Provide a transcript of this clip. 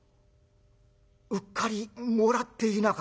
「うっかりもらっていなかった」。